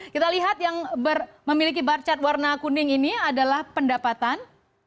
kita lihat yang memiliki barcat warna kuning ini adalah pendapatan